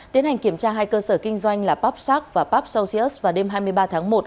tiến hành kiểm tra hai cơ sở kinh doanh là pub shark và pub celsius vào đêm hai mươi ba tháng một